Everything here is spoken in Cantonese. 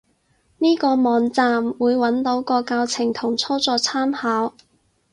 呢個網站，會揾到個教程同操作參考